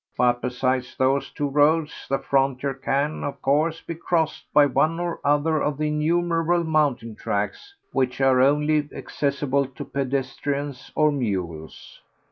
But, besides those two roads, the frontier can, of course, be crossed by one or other of the innumerable mountain tracks which are only accessible to pedestrians or mules.